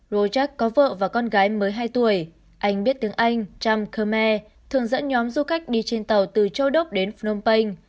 rojak có vợ và con gái mới hai tuổi anh biết tiếng anh cham khmer thường dẫn nhóm du khách đi trên tàu từ châu đốc đến phnom penh